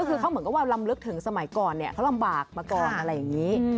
ก็คือเขาเหมือนกับว่าลำลึกถึงสมัยก่อนเขาลำบากมาก่อนอะไรอย่างนี้